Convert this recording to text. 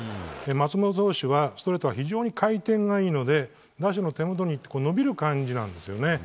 松本投手はストレートは非常に回転がいいので打者の手元で伸びる感じなんですね。